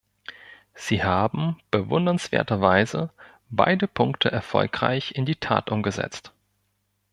Sie haben bewundernswerterweise beide Punkte erfolgreich in die Tat umgesetzt.